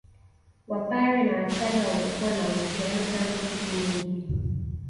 Wapare na wachaga wamekuwa na uhusiano tangu siku nyingi